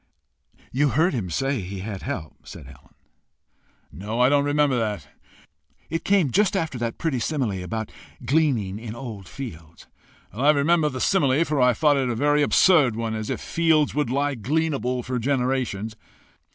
"You heard him say he had help," said Helen. "No, I don't remember that." "It came just after that pretty simile about gleaning in old fields." "I remember the simile, for I thought it a very absurd one as if fields would lie gleanable for generations!"